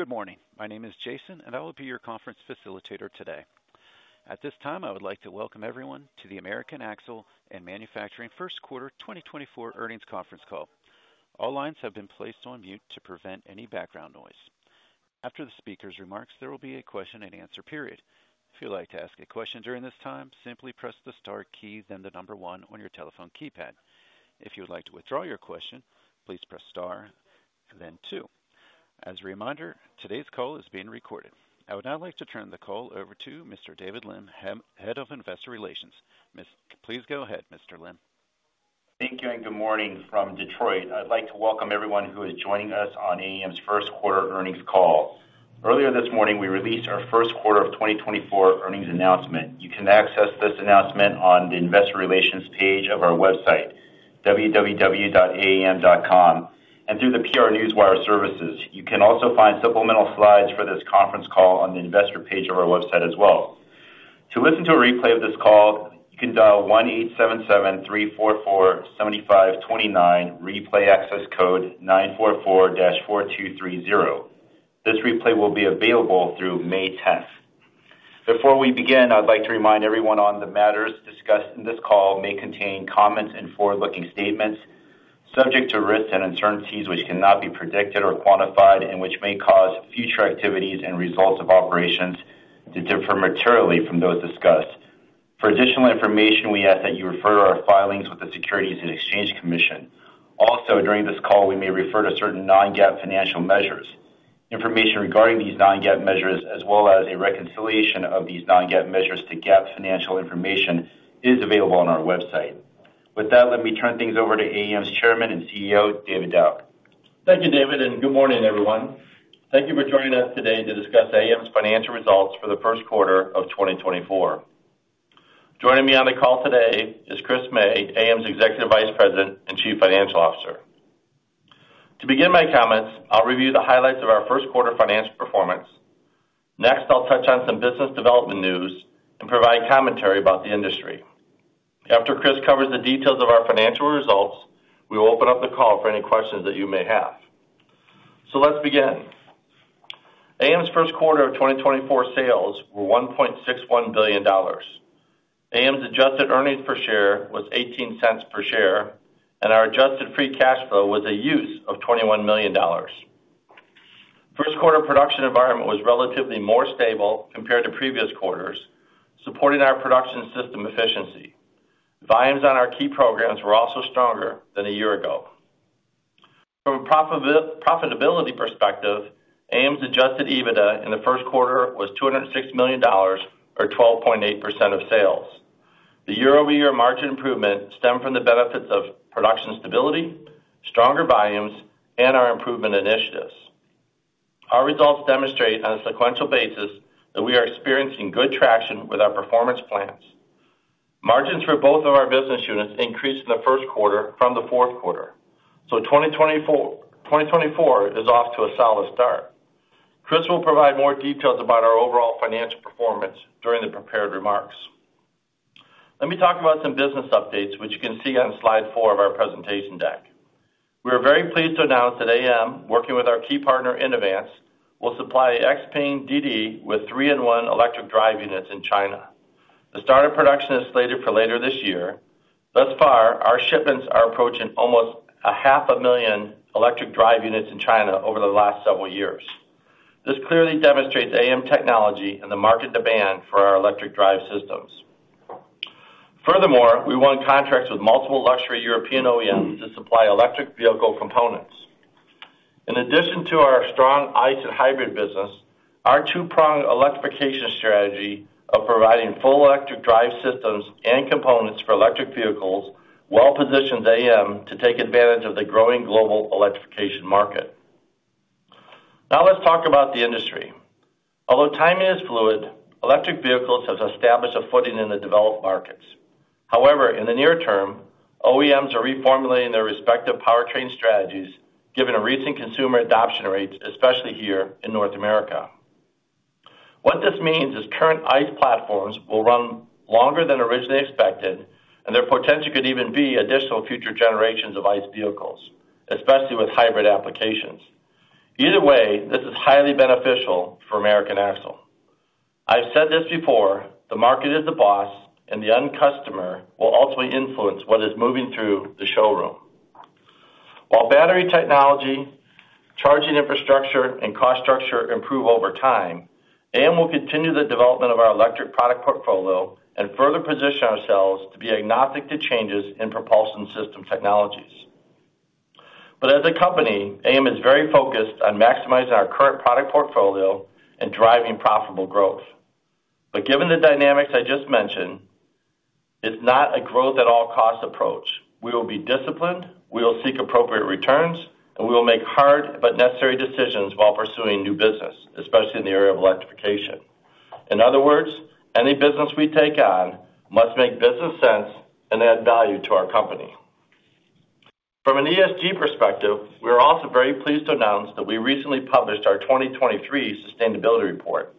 Good morning. My name is Jason, and I will be your conference facilitator today. At this time, I would like to welcome everyone to the American Axle and Manufacturing First Quarter 2024 Earnings Conference Call. All lines have been placed on mute to prevent any background noise. After the speaker's remarks, there will be a question-and-answer period. If you'd like to ask a question during this time, simply press the star key, then the 1 on your telephone keypad. If you would like to withdraw your question, please press star, then 2. As a reminder, today's call is being recorded. I would now like to turn the call over to Mr. David Lim, Head of Investor Relations. Please go ahead, Mr. Lim. Thank you, and good morning from Detroit. I'd like to welcome everyone who is joining us on AAM's First Quarter Earnings Call. Earlier this morning, we released our Q1 of 2024 earnings announcement. You can access this announcement on the investor relations page of our website, www.aam.com, and through the PR Newswire services. You can also find supplemental slides for this conference call on the investor page of our website as well. To listen to a replay of this call, you can dial 1-877-344-7529, replay access code 944-4230. This replay will be available through May tenth. Before we begin, I would like to remind everyone on the matters discussed in this call may contain comments and forward-looking statements subject to risks and uncertainties, which cannot be predicted or quantified and which may cause future activities and results of operations to differ materially from those discussed. For additional information, we ask that you refer to our filings with the Securities and Exchange Commission. Also, during this call, we may refer to certain non-GAAP financial measures. Information regarding these non-GAAP measures, as well as a reconciliation of these non-GAAP measures to GAAP financial information, is available on our website. With that, let me turn things over to AAM's Chairman and CEO, David Dauch. Thank you, David, and good morning, everyone. Thank you for joining us today to discuss AAM's financial results for the Q1 of 2024. Joining me on the call today is Chris May, AAM's Executive Vice President and Chief Financial Officer. To begin my comments, I'll review the highlights of our Q1 financial performance. Next, I'll touch on some business development news and provide commentary about the industry. After Chris covers the details of our financial results, we will open up the call for any questions that you may have. So let's begin. AAM's Q1 of 2024 sales were $1.61 billion. AAM's Adjusted Earnings per Share was $0.18 per share, and our Adjusted Free Cash Flow was a use of $21 million. Q1 production environment was relatively more stable compared to previous quarters, supporting our production system efficiency. Volumes on our key programs were also stronger than a year ago. From a profitability perspective, AAM's Adjusted EBITDA in the Q1 was $206 million or 12.8% of sales. The year-over-year margin improvement stemmed from the benefits of production stability, stronger volumes, and our improvement initiatives. Our results demonstrate on a sequential basis that we are experiencing good traction with our performance plans. Margins for both of our business units increased in the Q1 from the Q4, so 2024 is off to a solid start. Chris will provide more details about our overall financial performance during the prepared remarks. Let me talk about some business updates, which you can see on slide 4 of our presentation deck. We are very pleased to announce that AAM, working with our key partner, Inovance, will supply XPENG with 3-in-1 electric drive units in China. The start of production is slated for later this year. Thus far, our shipments are approaching almost 500,000 electric drive units in China over the last several years. This clearly demonstrates AAM technology and the market demand for our electric drive systems. Furthermore, we won contracts with multiple luxury European OEMs to supply electric vehicle components. In addition to our strong ICE and hybrid business, our two-pronged electrification strategy of providing full electric drive systems and components for electric vehicles well positions AAM to take advantage of the growing global electrification market. Now, let's talk about the industry. Although timing is fluid, electric vehicles have established a footing in the developed markets. However, in the near term, OEMs are reformulating their respective powertrain strategies, given a recent consumer adoption rates, especially here in North America. What this means is current ICE platforms will run longer than originally expected, and there potentially could even be additional future generations of ICE vehicles, especially with hybrid applications. Either way, this is highly beneficial for American Axle. I've said this before, the market is the boss, and the end customer will ultimately influence what is moving through the showroom. While battery technology, charging infrastructure, and cost structure improve over time, AAM will continue the development of our electric product portfolio and further position ourselves to be agnostic to changes in propulsion system technologies. But as a company, AAM is very focused on maximizing our current product portfolio and driving profitable growth. But given the dynamics I just mentioned, it's not a growth at all cost approach. We will be disciplined, we will seek appropriate returns, and we will make hard but necessary decisions while pursuing new business, especially in the area of electrification. In other words, any business we take on must make business sense and add value to our company. From an ESG perspective, we are also very pleased to announce that we recently published our 2023 sustainability report.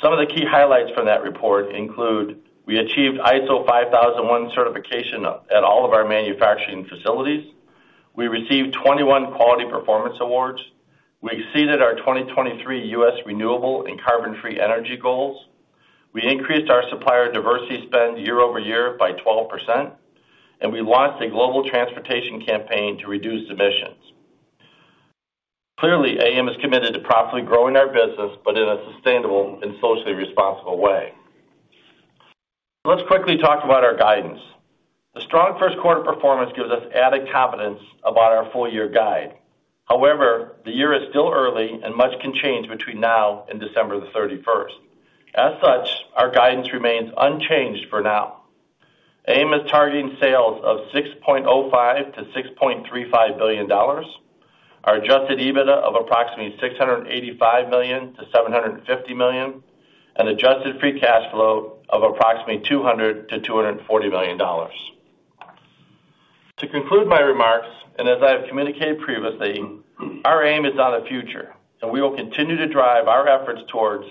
Some of the key highlights from that report include: we achieved ISO 5001 certification at all of our manufacturing facilities. We received 21 quality performance awards. We exceeded our 2023 U.S. renewable and carbon-free energy goals. We increased our supplier diversity spend year over year by 12%, and we launched a global transportation campaign to reduce emissions. Clearly, AAM is committed to properly growing our business, but in a sustainable and socially responsible way. Let's quickly talk about our guidance. The strong Q1 performance gives us added confidence about our full-year guide. However, the year is still early and much can change between now and December 31. As such, our guidance remains unchanged for now. AAM is targeting sales of $6.05 billion-$6.35 billion, our Adjusted EBITDA of approximately $685 million-$750 million, and adjusted free cash flow of approximately $200 million-$240 million. To conclude my remarks, and as I have communicated previously, our aim is on the future, and we will continue to drive our efforts towards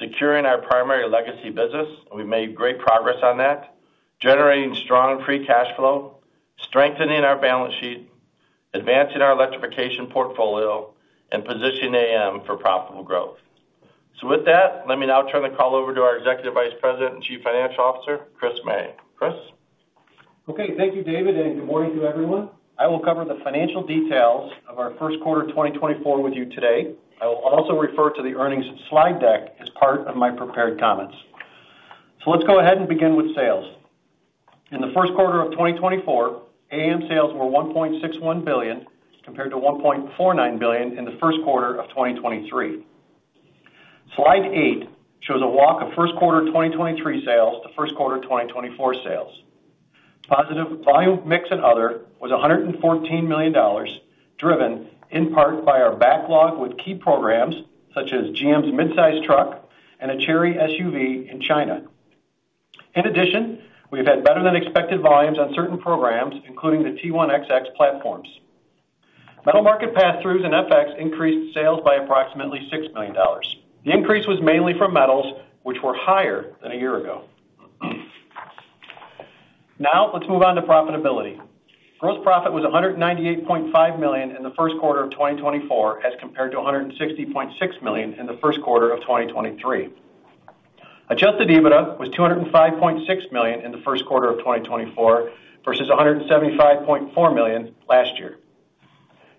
securing our primary legacy business, and we've made great progress on that, generating strong free cash flow, strengthening our balance sheet, advancing our electrification portfolio, and positioning AAM for profitable growth. With that, let me now turn the call over to our Executive Vice President and Chief Financial Officer, Chris May. Chris? Okay, thank you, David, and good morning to everyone. I will cover the financial details of our Q1 of 2024 with you today. I will also refer to the earnings slide deck as part of my prepared comments. Let's go ahead and begin with sales. In the Q1 of 2024, AAM sales were $1.61 billion, compared to $1.49 billion in the Q1 of 2023. Slide 8 shows a walk of Q1 2023 sales to Q1 2024 sales. Positive volume, mix and other was $114 million, driven in part by our backlog with key programs such as GM's mid-size truck and a Chery SUV in China. In addition, we've had better than expected volumes on certain programs, including the T1XX platforms. Metal market pass-throughs and FX increased sales by approximately $6 million. The increase was mainly from metals, which were higher than a year ago. Now, let's move on to profitability. Gross profit was $198.5 million in the Q1 of 2024, as compared to $160.6 million in the Q1 of 2023. Adjusted EBITDA was $205.6 million in the Q1 of 2024, versus $175.4 million last year.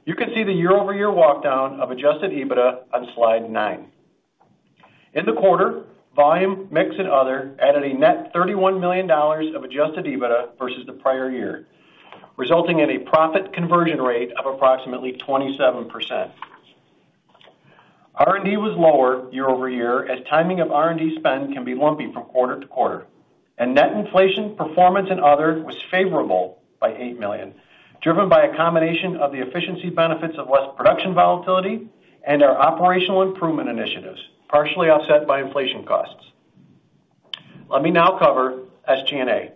You can see the year-over-year walk down of adjusted EBITDA on Slide 9. In the quarter, volume, mix, and other added a net $31 million of adjusted EBITDA versus the prior year, resulting in a profit conversion rate of approximately 27%. R&D was lower year over year, as timing of R&D spend can be lumpy from quarter to quarter, and net inflation, performance and other was favorable by $8 million, driven by a combination of the efficiency benefits of less production volatility and our operational improvement initiatives, partially offset by inflation costs. Let me now cover SG&A.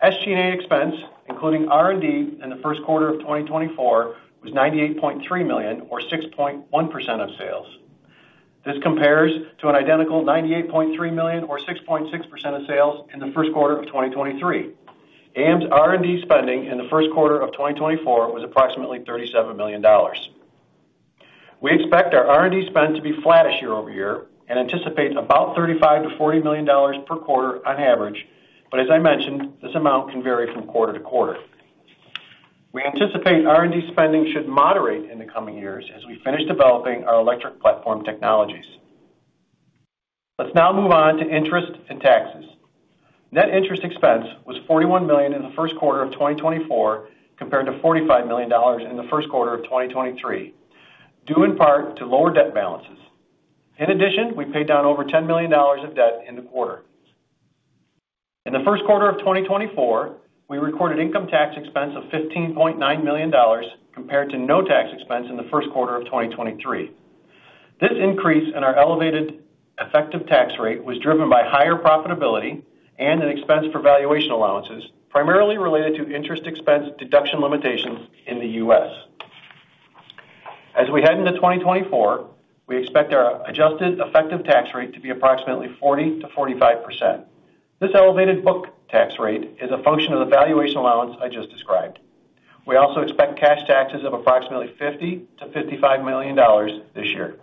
SG&A expense, including R&D, in the Q1 of 2024, was $98.3 million or 6.1% of sales. This compares to an identical $98.3 million or 6.6% of sales in the Q1 of 2023. AAM's R&D spending in the Q1 of 2024 was approximately $37 million. We expect our R&D spend to be flattish year over year and anticipate about $35 million-$40 million per quarter on average, but as I mentioned, this amount can vary from quarter to quarter. We anticipate R&D spending should moderate in the coming years as we finish developing our electric platform technologies. Let's now move on to interest and taxes. Net interest expense was $41 million in the Q1 of 2024, compared to $45 million in the Q1 of 2023, due in part to lower debt balances. In addition, we paid down over $10 million of debt in the quarter. In the Q1 of 2024, we recorded income tax expense of $15.9 million, compared to no tax expense in the Q1 of 2023. This increase in our elevated effective tax rate was driven by higher profitability and an expense for valuation allowances, primarily related to interest expense deduction limitations in the U.S. As we head into 2024, we expect our adjusted effective tax rate to be approximately 40%-45%. This elevated book tax rate is a function of the valuation allowance I just described. We also expect cash taxes of approximately $50 million-$55 million this year.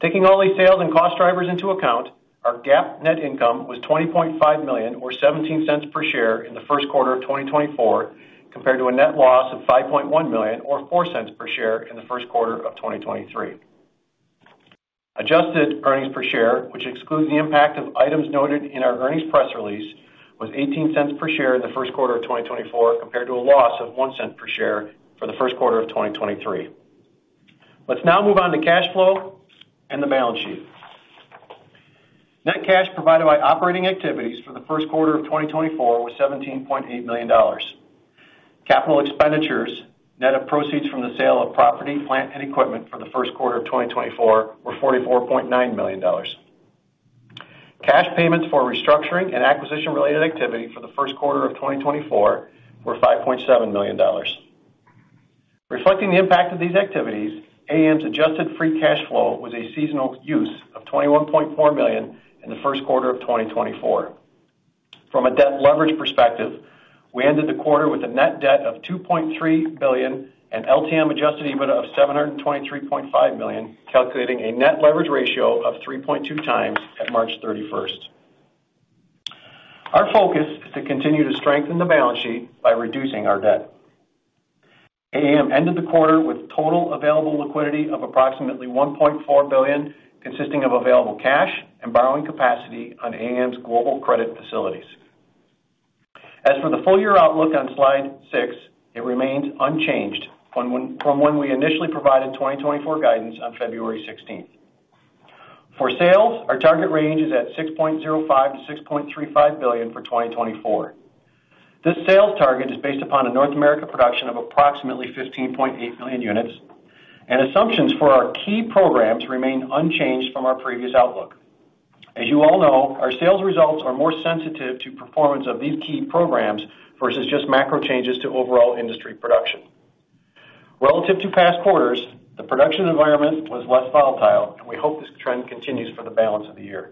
Taking all these sales and cost drivers into account, our GAAP net income was $20.5 million or $0.17 per share in the Q1 of 2024, compared to a net loss of $5.1 million or $0.04 per share in the Q1 of 2023. Adjusted earnings per share, which excludes the impact of items noted in our earnings press release, was $0.18 per share in the Q1 of 2024, compared to a loss of $0.01 per share for the Q1 of 2023. Let's now move on to cash flow and the balance sheet. Net cash provided by operating activities for the Q1 of 2024 was $17.8 million. Capital expenditures, net of proceeds from the sale of property, plant, and equipment for the Q1 of 2024 were $44.9 million. Cash payments for restructuring and acquisition-related activity for the Q1 of 2024 were $5.7 million. Reflecting the impact of these activities, AAM's Adjusted Free Cash Flow was a seasonal use of $21.4 million in the Q1 of 2024. From a debt leverage perspective, we ended the quarter with a net debt of $2.3 billion and LTM adjusted EBITDA of $723.5 million, calculating a net leverage ratio of 3.2x at March 31. Our focus is to continue to strengthen the balance sheet by reducing our debt. AAM ended the quarter with total available liquidity of approximately $1.4 billion, consisting of available cash and borrowing capacity on AAM's global credit facilities. As for the full year outlook on Slide 6, it remains unchanged from when we initially provided 2024 guidance on 16th February. For sales, our target range is at $6.05 billion-$6.35 billion for 2024. This sales target is based upon a North America production of approximately 15.8 million units, and assumptions for our key programs remain unchanged from our previous outlook. As you all know, our sales results are more sensitive to performance of these key programs versus just macro changes to overall industry production. Relative to past quarters, the production environment was less volatile, and we hope this trend continues for the balance of the year.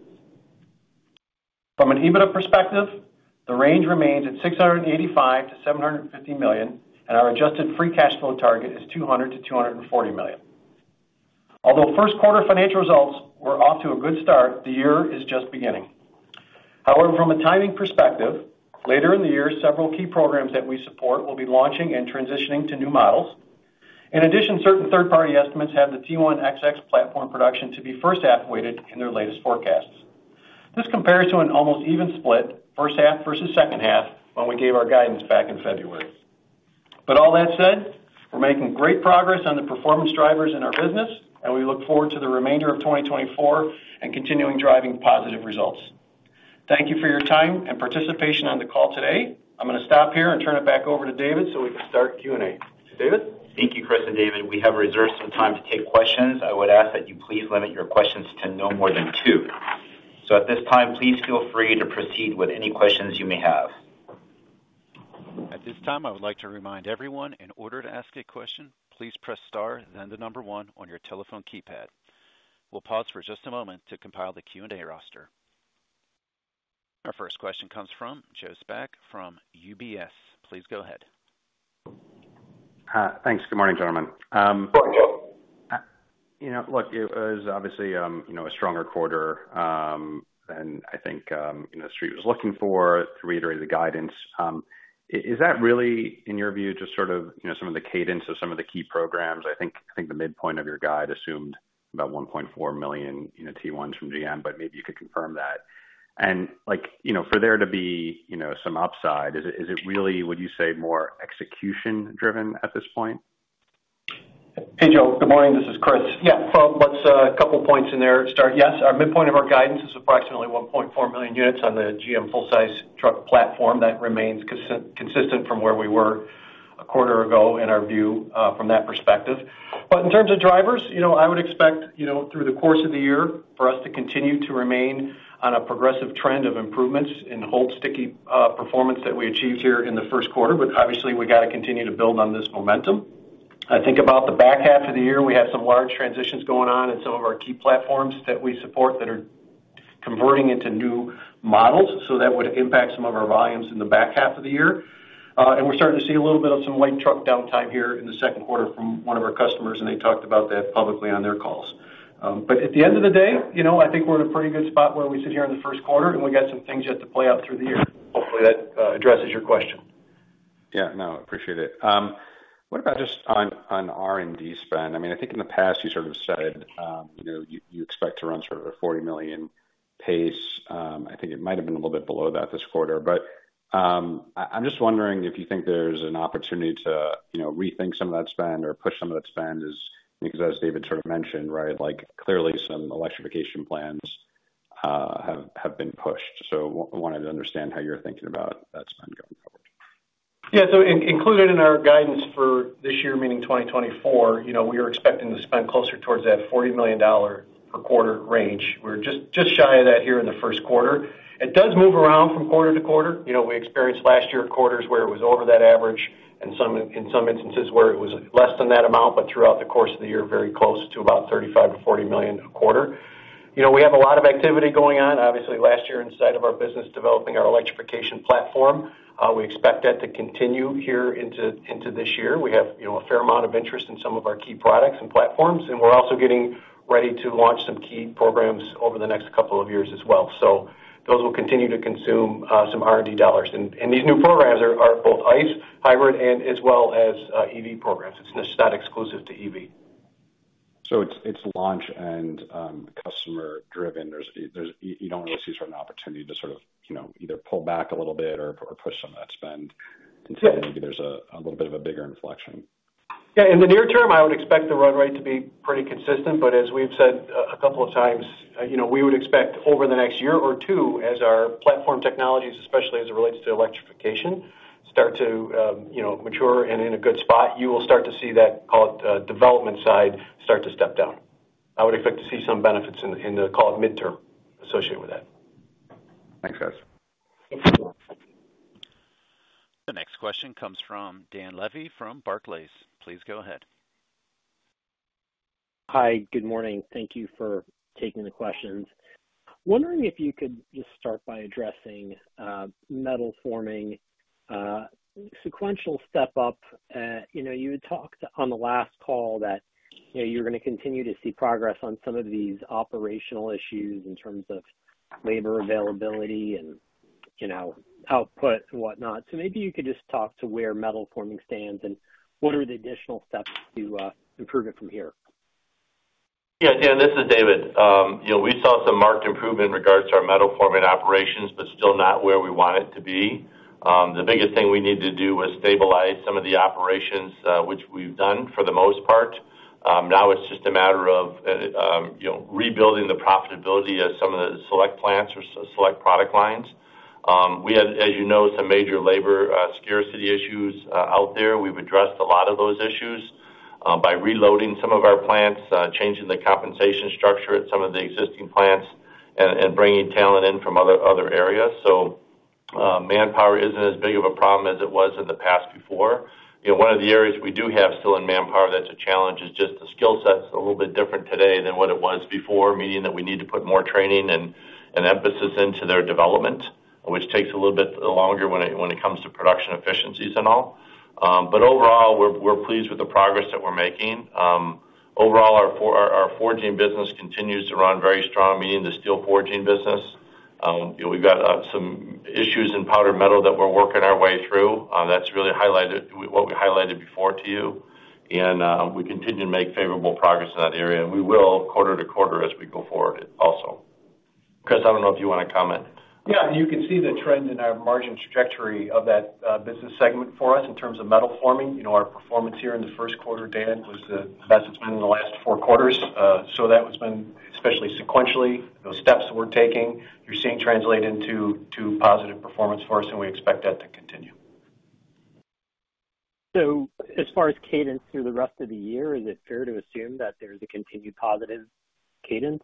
From an EBITDA perspective, the range remains at $685 million-$750 million, and our Adjusted Free Cash Flow target is $200 million-$240 million. Although Q1 financial results were off to a good start, the year is just beginning. However, from a timing perspective, later in the year, several key programs that we support will be launching and transitioning to new models. In addition, certain third-party estimates have the T1XX platform production to be first half-weighted in their latest forecasts. This compares to an almost even split, first half versus second half, when we gave our guidance back in February. But all that said, we're making great progress on the performance drivers in our business, and we look forward to the remainder of 2024 and continuing driving positive results. Thank you for your time and participation on the call today. I'm gonna stop here and turn it back over to David, so we can start Q&A. David? Thank you, Chris and David. We have reserved some time to take questions. I would ask that you please limit your questions to no more than two. At this time, please feel free to proceed with any questions you may have. At this time, I would like to remind everyone, in order to ask a question, please press star, then 1 on your telephone keypad. We'll pause for just a moment to compile the Q&A roster. Our first question comes from Joe Spak from UBS. Please go ahead. Thanks. Good morning, gentlemen. You know, look, it was obviously a stronger quarter than I think you know, Street was looking for to reiterate the guidance. Is that really, in your view, just sort of you know, some of the cadence of some of the key programs? I think the midpoint of your guide assumed about 1.4 million T1s from GM, but maybe you could confirm that. And like, you know, for there to be you know, some upside, is it really, would you say, more execution-driven at this point? Hey, Joe. Good morning. This is Chris. Yeah, so let's, a couple points in there to start. Yes, our midpoint of our guidance is approximately 1.4 million units on the GM full-size truck platform. That remains consistent from where we were a quarter ago in our view, from that perspective. But in terms of drivers, you know, I would expect, you know, through the course of the year, for us to continue to remain on a progressive trend of improvements in holistic performance that we achieved here in the Q1. But obviously, we got to continue to build on this momentum. I think about the back half of the year, we have some large transitions going on in some of our key platforms that we support that are converting into new models, so that would impact some of our volumes in the back half of the year. And we're starting to see a little bit of some light truck downtime here in the second quarter from one of our customers, and they talked about that publicly on their calls. But at the end of the day, you know, I think we're in a pretty good spot where we sit here in the Q1, and we got some things yet to play out through the year. Hopefully, that addresses your question. Yeah. No, I appreciate it. What about just on R&D spend? I mean, I think in the past, you sort of said, you know, you expect to run sort of a $40 million pace. I think it might have been a little bit below that this quarter, but, I'm just wondering if you think there's an opportunity to, you know, rethink some of that spend or push some of that spend... Because as David sort of mentioned, right, like, clearly, some electrification plans have been pushed. So we wanted to understand how you're thinking about that spend going forward. Yeah, so included in our guidance for this year, meaning 2024, you know, we are expecting to spend closer towards that $40 million per quarter range. We're just shy of that here in the Q1. It does move around from quarter to quarter. You know, we experienced last year quarters where it was over that average, and some in some instances where it was less than that amount, but throughout the course of the year, very close to about $35 million-$40 million a quarter. You know, we have a lot of activity going on, obviously, last year inside of our business, developing our electrification platform. We expect that to continue here into this year. We have, you know, a fair amount of interest in some of our key products and platforms, and we're also getting ready to launch some key programs over the next couple of years as well. So those will continue to consume some R&D dollars. And these new programs are both ICE, hybrid, and as well as EV programs. It's not exclusive to EV. So it's launch and customer-driven. There's, you don't really see certain opportunity to sort of, you know, either pull back a little bit or push some of that spend- Yeah. until maybe there's a little bit of a bigger inflection. Yeah. In the near term, I would expect the run rate to be pretty consistent, but as we've said a couple of times, you know, we would expect over the next year or two, as our platform technologies, especially as it relates to electrification, start to, you know, mature and in a good spot, you will start to see that, call it, development side, start to step down. I would expect to see some benefits in the, call it, midterm associated with that. Thanks, guys. The next question comes from Dan Levy from Barclays. Please go ahead. Hi, good morning. Thank you for taking the questions. Wondering if you could just start by addressing, metal forming, sequential step up. You know, you had talked on the last call that, you know, you're gonna continue to see progress on some of these operational issues in terms of labor availability and, you know, output and whatnot. So maybe you could just talk to where metal forming stands and what are the additional steps to, improve it from here? Yeah, Dan, this is David. You know, we saw some marked improvement in regards to our metal forming operations, but still not where we want it to be. The biggest thing we need to do is stabilize some of the operations, which we've done for the most part. Now it's just a matter of, you know, rebuilding the profitability at some of the select plants or select product lines. We had, as you know, some major labor scarcity issues out there. We've addressed a lot of those issues by reloading some of our plants, changing the compensation structure at some of the existing plants, and bringing talent in from other areas. So, manpower isn't as big of a problem as it was in the past before. You know, one of the areas we do have still in manpower that's a challenge is just the skill set's a little bit different today than what it was before, meaning that we need to put more training and emphasis into their development, which takes a little bit longer when it comes to production efficiencies and all. But overall, we're pleased with the progress that we're making. Overall, our forging business continues to run very strong, meaning the steel forging business. You know, we've got some issues in powdered metal that we're working our way through. That's really what we highlighted before to you, and we continue to make favorable progress in that area, and we will quarter to quarter as we go forward also. Chris, I don't know if you wanna comment. Yeah, you can see the trend in our margin trajectory of that business segment for us in terms of metal forming. You know, our performance here in the Q1, Dan, was the best it's been in the last four quarters. So that has been, especially sequentially, those steps that we're taking, you're seeing translate into positive performance for us, and we expect that to continue. So as far as cadence through the rest of the year, is it fair to assume that there's a continued positive cadence?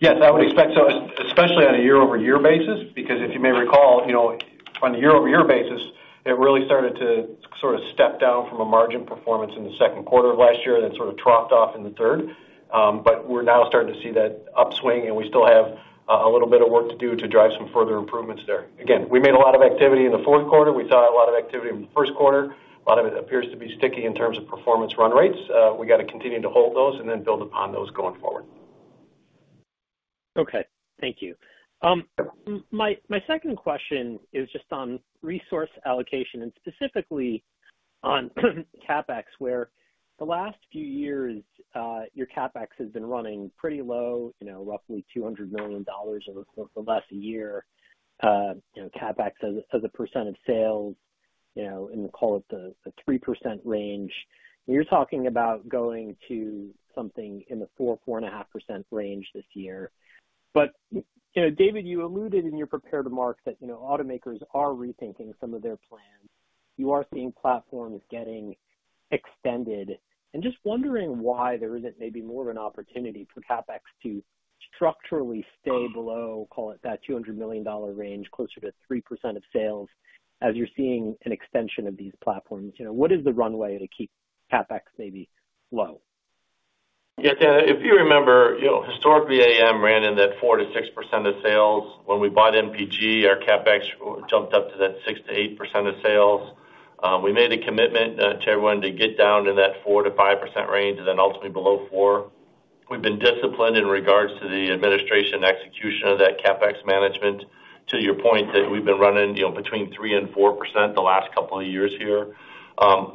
Yes, I would expect so, especially on a year-over-year basis, because if you may recall, you know, on a year-over-year basis, it really started to sort of step down from a margin performance in the second quarter of last year, and then sort of dropped off in the third. But we're now starting to see that upswing, and we still have a little bit of work to do to drive some further improvements there. Again, we made a lot of activity in the fourth quarter. We saw a lot of activity in the Q1. A lot of it appears to be sticky in terms of performance run rates. We got to continue to hold those and then build upon those going forward. Okay. Thank you. My second question is just on resource allocation and specifically on CapEx, where the last few years, your CapEx has been running pretty low, you know, roughly $200 million over the last year. You know, CapEx as a percent of sales, you know, and we call it the 3% range. You're talking about going to something in the 4%-4.5% range this year. But, you know, David, you alluded in your prepared remarks that, you know, automakers are rethinking some of their plans. You are seeing platforms getting extended. And just wondering why there isn't maybe more of an opportunity for CapEx to structurally stay below, call it, that $200 million range, closer to 3% of sales, as you're seeing an extension of these platforms. You know, what is the runway to keep CapEx maybe low? Yeah, Dan, if you remember, you know, historically, AAM ran in that 4%-6% of sales. When we bought MPG, our CapEx jumped up to that 6%-8% of sales. We made a commitment to everyone to get down to that 4%-5% range and then ultimately below 4%. We've been disciplined in regards to the administration and execution of that CapEx management, to your point, that we've been running, you know, between 3% and 4% the last couple of years here.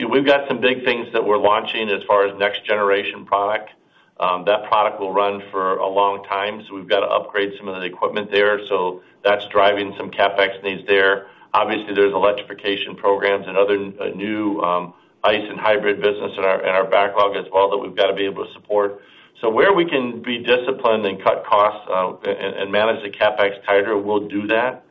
We've got some big things that we're launching as far as next generation product. That product will run for a long time, so we've got to upgrade some of the equipment there, so that's driving some CapEx needs there. Obviously, there's electrification programs and other new ICE and hybrid business in our backlog as well, that we've got to be able to support. So where we can be disciplined and cut costs and manage the CapEx tighter, we'll do that.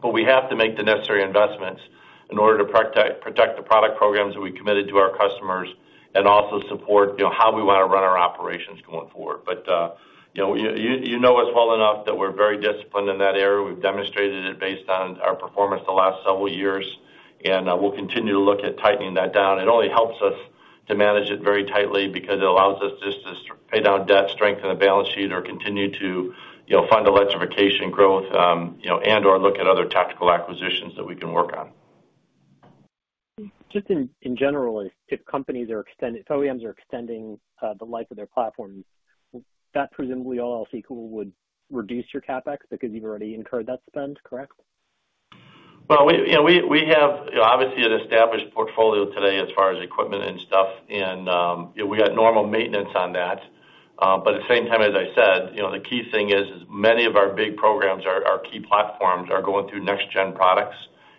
But we have to make the necessary investments in order to protect the product programs that we committed to our customers, and also support, you know, how we want to run our operations going forward. But you know, you know us well enough that we're very disciplined in that area. We've demonstrated it based on our performance the last several years, and we'll continue to look at tightening that down. It only helps us to manage it very tightly because it allows us just to pay down debt, strengthen the balance sheet, or continue to, you know, fund electrification growth, you know, and/or look at other tactical acquisitions that we can work on. Just in general, if OEMs are extending the life of their platforms, that presumably all else equal, would reduce your CapEx because you've already incurred that spend, correct? Well, we, you know, we, we have, you know, obviously an established portfolio today as far as equipment and stuff, and we got normal maintenance on that. But at the same time, as I said, you know, the key thing is many of our big programs, our key platforms are going through next gen products,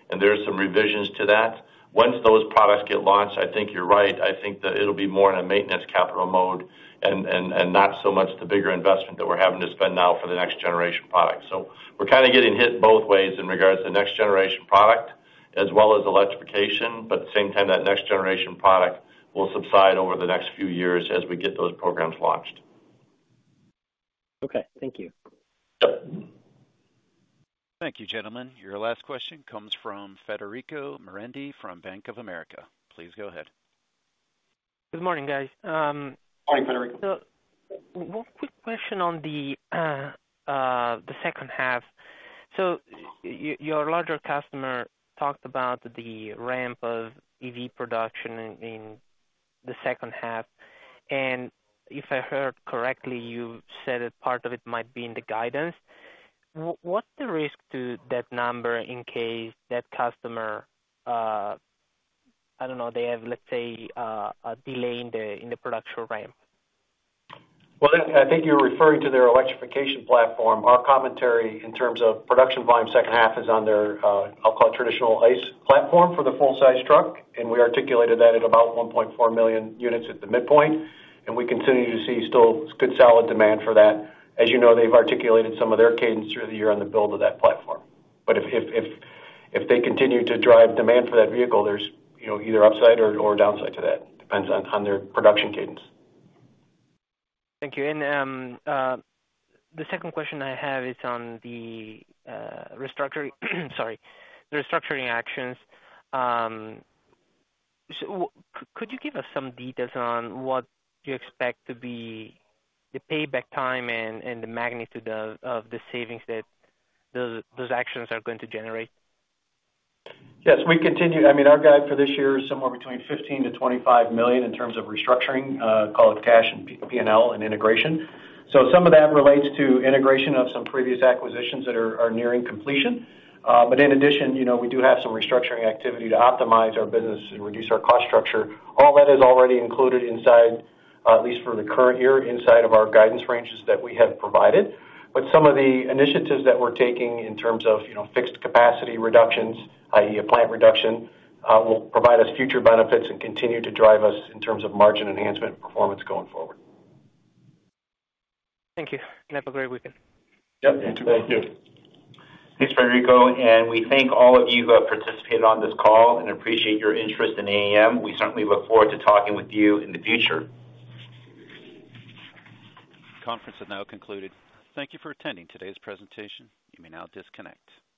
and there are some revisions to that. Once those products get launched, I think you're right. I think that it'll be more in a maintenance capital mode and not so much the bigger investment that we're having to spend now for the next generation product. So we're kind of getting hit-... the next generation product, as well as electrification, but at the same time, that next generation product will subside over the next few years as we get those programs launched. Okay, thank you. Thank you, gentlemen. Your last question comes from Federico Merendi from Bank of America. Please go ahead. Good morning, guys. Hi, Federico. So one quick question on the second half. So your larger customer talked about the ramp of EV production in the second half, and if I heard correctly, you said that part of it might be in the guidance. What's the risk to that number in case that customer, I don't know, they have, let's say, a delay in the production ramp? Well, I think you're referring to their electrification platform. Our commentary in terms of production volume, second half is on their, I'll call it traditional ICE platform for the full-size truck, and we articulated that at about 1.4 million units at the midpoint, and we continue to see still good, solid demand for that. As you know, they've articulated some of their cadence through the year on the build of that platform. But if they continue to drive demand for that vehicle, there's, you know, either upside or downside to that, depends on their production cadence. Thank you. And the second question I have is on the restructure, sorry, the restructuring actions. So could you give us some details on what you expect to be the payback time and the magnitude of the savings that those actions are going to generate? Yes, we continue... I mean, our guide for this year is somewhere between $15 million-$25 million in terms of restructuring, call it cash and P&L and integration. So some of that relates to integration of some previous acquisitions that are nearing completion. But in addition, you know, we do have some restructuring activity to optimize our business and reduce our cost structure. All that is already included inside, at least for the current year, inside of our guidance ranges that we have provided. But some of the initiatives that we're taking in terms of, you know, fixed capacity reductions, i.e., plant reduction, will provide us future benefits and continue to drive us in terms of margin enhancement and performance going forward. Thank you, and have a great weekend. Yep, you too. Thank you. Thanks, Federico, and we thank all of you who have participated on this call and appreciate your interest in AAM. We certainly look forward to talking with you in the future. Conference is now concluded. Thank you for attending today's presentation. You may now disconnect.